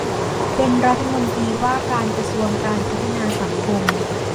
เป็นรัฐมนตรีว่าการกระทรวงการพัฒนาสังคม